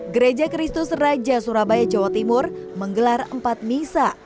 gereja kristus raja surabaya jawa timur menggelar empat misa